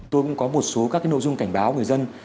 tôi cũng có một số các nội dung cảnh báo người dân